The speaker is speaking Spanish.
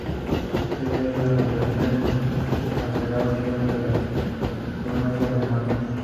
En ella, la comprensión es lo más alterado, siendo la fluencia normal.